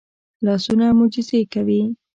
لاسونه معجزې کوي